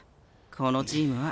このチームは。